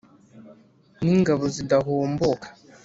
n’ ingabo zidahomboka.